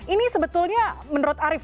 ini sebetulnya menurut arief